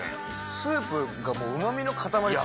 スープがうまみの塊です